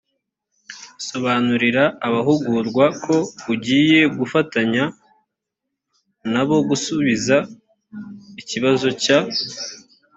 sobanurira abahugurwa ko ugiye gufatanya na bo gusubiza ikibazo cya